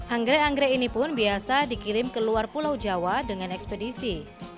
anggrek anggrek ini pun biasa dikirim ke luar pulau jawa dengan ekspedisi